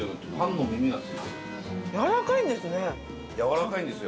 やわらかいんですよ。